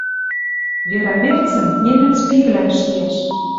«Вера верцӹн немец пивлӓм шиӓш